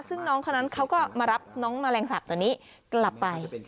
ซึ่งน้องคนนั้นเขาก็มารับน้องแมลงสาปตัวนี้กลับไป